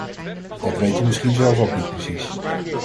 Dat weet u misschien zelf ook niet precies.